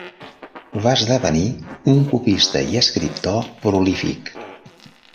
Va esdevenir un copista i escriptor prolífic.